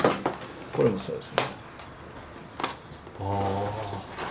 これもそうです。